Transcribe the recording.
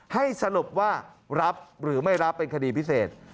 ให้สรุปว่ารับหรือไม่รับเป็นคดีพิเศษ